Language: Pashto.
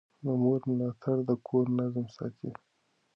د مور ملاتړ د کور نظم ساتي.